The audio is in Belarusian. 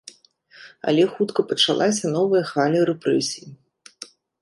Але хутка пачалася новая хваля рэпрэсій.